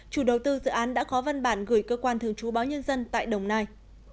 chủ đầu tư dự án đã có văn bản gửi cơ quan thường trú báo nhân dân tại đồng nai